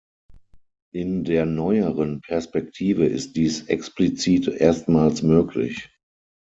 In der neueren Perspektive ist dies explizit erstmals möglich.